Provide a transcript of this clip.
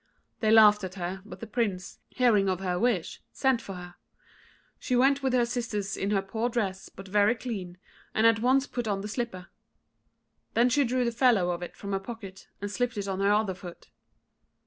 They laughed at her; but the Prince, hearing of her wish, sent for her. She went with her sisters in her poor dress, but very clean, and at once put on the slipper. Then she drew the fellow of it from her pocket, and slipped it on her other foot.